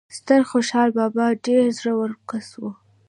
ستر خوشال بابا ډیر زړه ور کس وو